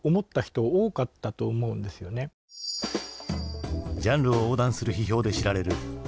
ジャンルを横断する批評で知られる佐々木敦。